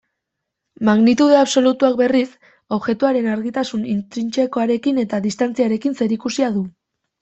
Magnitude absolutuak, berriz, objektuaren argitasun intrintsekoarekin eta distantziarekin zerikusia du.